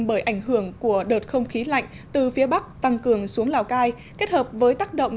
bởi ảnh hưởng của đợt không khí lạnh từ phía bắc tăng cường xuống lào cai kết hợp với tác động